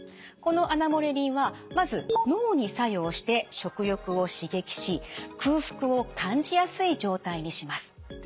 このアナモレリンはまず脳に作用して食欲を刺激し空腹を感じやすい状態にします。